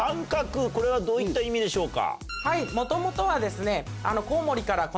これはどういった意味でしょうか？